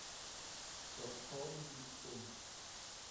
Doch Torben blieb stumm.